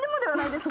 はい。